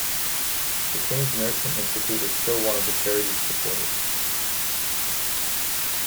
The Queen's Nursing Institute is still one of the charities supported.